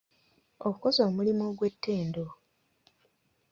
Okoze omulimu ogw'ettendo.